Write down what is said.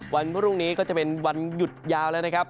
วันพรุ่งนี้ก็จะเป็นวันหยุดยาวแล้วนะครับ